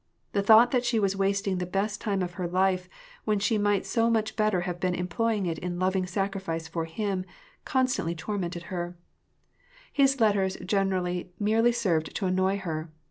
The thought that she was wasting the best time of her life, when she might so much better have been employing it in loving sacrifice for him, constantly tor mented her. VOL.2, — 20. 306 WAR AND PEACE. His letters generally merely served to annoy her.